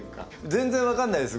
全然分かんないです。